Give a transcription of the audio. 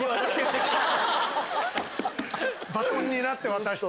バトンになって渡して。